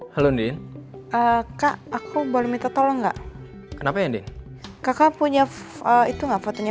halo ndin kak aku boleh minta tolong enggak kenapa ya ndin kakak punya itu nggak fotonya